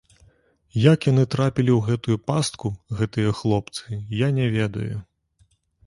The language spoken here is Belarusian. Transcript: Як яны трапілі ў гэтую пастку, гэтыя хлопцы, я не ведаю.